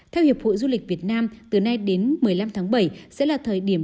theo hiệp hội du lịch việt nam từ nay đến một mươi năm tháng bảy sẽ là thời điểm